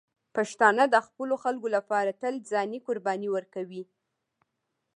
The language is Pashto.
پښتانه د خپلو خلکو لپاره تل ځاني قرباني ورکوي.